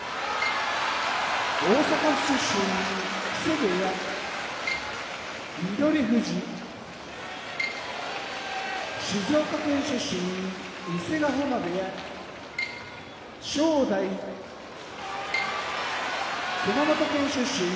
大阪府出身木瀬部屋翠富士静岡県出身伊勢ヶ濱部屋正代熊本県出身